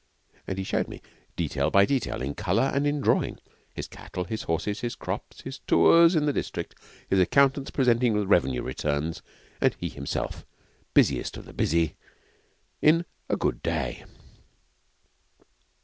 And he showed me, detail by detail, in colour and in drawing, his cattle, his horses, his crops, his tours in the district, his accountants presenting the revenue returns, and he himself, busiest of the busy, in the good day.